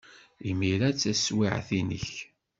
Imir-a d taswiɛt-nnek.